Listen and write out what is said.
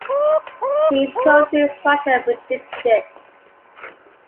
See protein structure prediction.